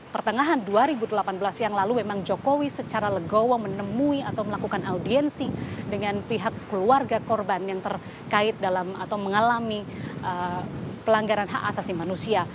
pertengahan dua ribu delapan belas yang lalu memang jokowi secara legowo menemui atau melakukan audiensi dengan pihak keluarga korban yang terkait dalam atau mengalami pelanggaran hak asasi manusia